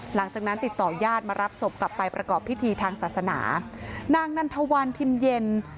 หลังจากนั้นติดต่อยาดมารับศพกลับไปประกอบพิธีทางศาสนานางนันทวันทิมเย็น